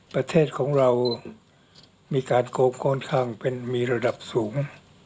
ประเทศของเรามีการโกงค่อนข้างเป็นมีระดับสูง